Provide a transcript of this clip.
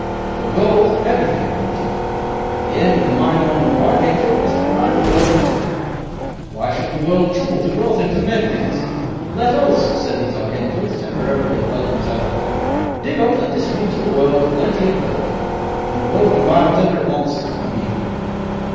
"For gold, everything can be obtained. The aim of the mine owning archangel is to provide the world with gold. Why should the world trouble to grow things and make things? 'Let us,' say these archangels, temporarily dwelling in South Africa, 'dig up and distribute to the world plenty of gold, then the world can buy whatever it wants, and be happy.